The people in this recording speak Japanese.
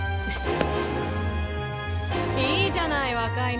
いいじゃない若いの。